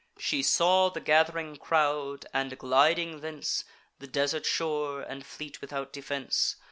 She saw the gath'ring crowd; and, gliding thence, The desert shore, and fleet without defence.